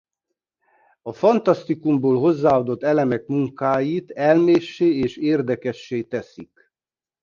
A fantasztikumból hozzáadott elemek munkáit elméssé és érdekessé teszik.